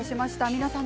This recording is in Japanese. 皆さん